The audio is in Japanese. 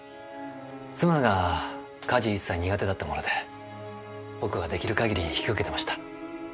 妻が家事一切苦手だったもので僕が出来る限り引き受けてました。